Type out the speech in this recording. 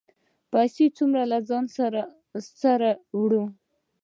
پیسې څومره له ځانه سره وړئ؟